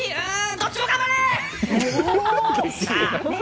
どっちも頑張れ！